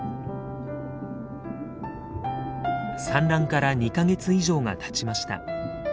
産卵から２か月以上がたちました。